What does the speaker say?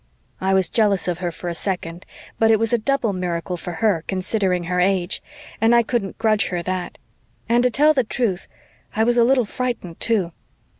I was jealous of her for a second, but it was a double miracle for her, considering her age, and I couldn't grudge her that. And to tell the truth, I was a little frightened, too.